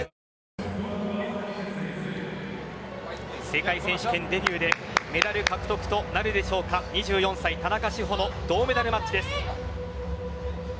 世界選手権デビューでメダル獲得となるでしょうか２４歳、田中志歩の銅メダルマッチです。